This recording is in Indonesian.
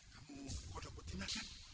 kamu kodok putih nakan